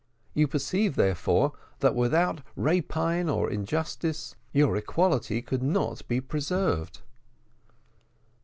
You perceive, therefore, that without rapine or injustice your equality could not be preserved."